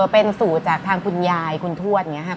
เป็นสูตรจากทางคุณยายคุณทวชเนี่ยครับ